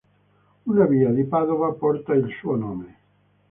Una via di Padova porta il suo nome.